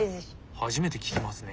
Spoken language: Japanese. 初めて聞きますね。